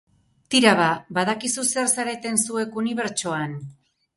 Tira ba, badakizu zer zareten zuek unibertsoan?.